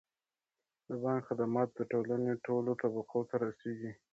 د بانک خدمات د ټولنې ټولو طبقو ته رسیږي.